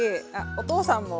お父さんも。